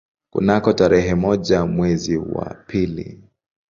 Kunako tarehe moja mwezi wa pili